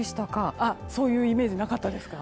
そういうイメージなかったですか？